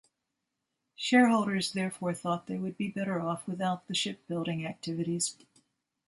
Shareholders therefore thought they would be better off without the shipbuilding activities.